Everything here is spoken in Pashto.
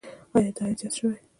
آیا دا عاید زیات شوی؟